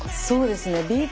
そうですね。